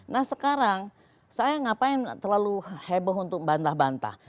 nah sekarang saya ngapain terlalu heboh untuk bantah bantah